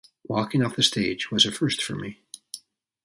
Walking off the stage was a first for me.